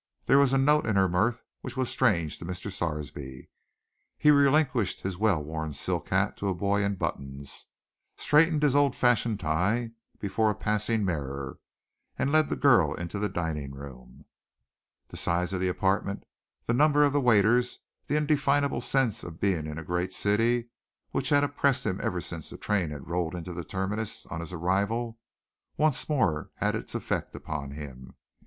There was a note in her mirth which was strange to Mr. Sarsby. He relinquished his well worn silk hat to a boy in buttons, straightened his old fashioned tie before a passing mirror, and led the girl into the dining room. The size of the apartment, the number of the waiters, the indefinable sense of being in a great city, which had oppressed him since the train had rolled into the terminus on his arrival, once more had its effect upon him.